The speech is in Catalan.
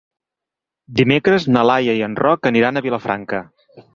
Dimecres na Laia i en Roc aniran a Vilafranca.